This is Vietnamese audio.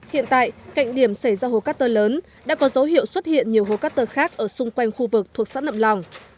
hiện tại cạnh điểm xảy ra hố cát tơ lớn đã có dấu hiệu xuất hiện nhiều hố cát tơ khác ở xung quanh khu vực thuộc xã nậm lòng